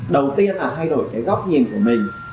đầu tiên là thay đổi cái góc nhìn của mình